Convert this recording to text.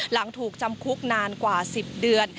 หลังถูกจำคุกนานกว่า๑๐เดือน